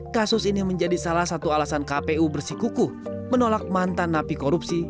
kasus ini menjadi salah satu alasan kpu bersikukuh menolak mantan napi korupsi